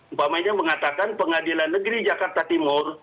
umpamanya mengatakan pengadilan negeri jakarta timur